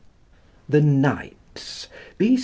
'The Knights,' B.